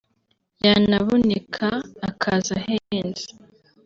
yanaboneka akaza ahenze